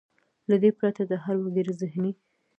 له دې پرته د هر وګړي زهني .